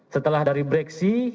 setelah dari breksi